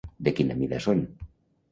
De quina mida son?